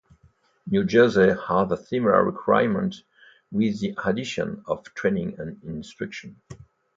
New Jersey has a similar requirement, with the addition of training and instruction.